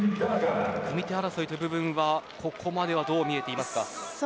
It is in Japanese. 組み手争いという部分ではここまではどう見えていますか。